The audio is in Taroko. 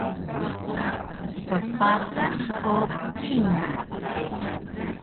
Ppatas o kingal